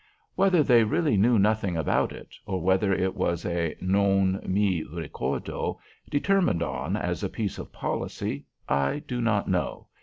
Whether they really knew nothing about it, or whether it was a "Non mi ricordo," determined on as a piece of policy, I do not know.